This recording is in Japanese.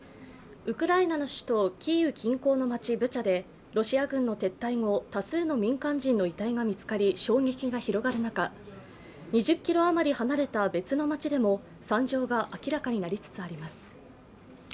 ウクライナの首都キーウ近郊の町ブチャでロシア軍の撤退後、多数の民間人の遺体が見つかり衝撃が広がる中、２０ｋｍ余り離れた別の街でも惨状が明らかになりつつあります。